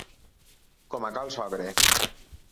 Com a cal sogre.